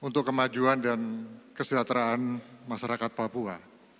untuk kemajuan dan kesejahteraan masyarakat papua